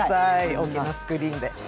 大きなスクリーンで。